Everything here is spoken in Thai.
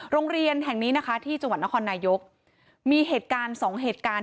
โรงเรียนแห่งนี้นะคะที่จังหวัดนครนายกมีเหตุการณ์สองเหตุการณ์